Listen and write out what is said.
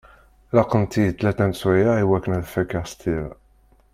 Laqent-iyi tlata n sswayeɛ i wakken ad t-fakeɣ s tira.